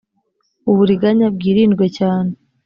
uburiganya bwirindwe cyane.